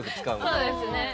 そうですね。